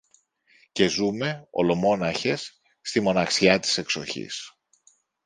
Και ζούμε, ολομόναχες, στη μοναξιά της εξοχής